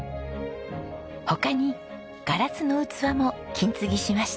他にガラスの器も金継ぎしました。